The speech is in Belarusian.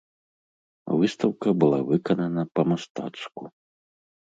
Выстаўка была выканана па-мастацку.